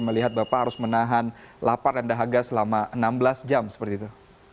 melihat bapak harus menahan lapar dan dahaga selama enam belas jam seperti itu